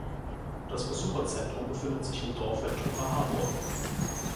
Das Besucherzentrum befindet sich im Dorf Ventura Harbor.